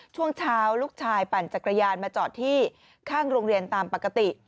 ช่วงเช้าลูกชายปั่นจักรยานมาจอดที่ข้างโรงเรียนตามปกติ